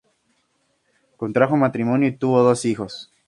Contrajo matrimonio y tuvo dos hijos.